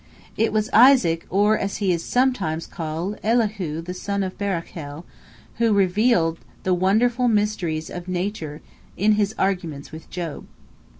" It was Isaac, or, as he is sometimes called, Elihu the son of Barachel, who revealed the wonderful mysteries of nature in his arguments with Job.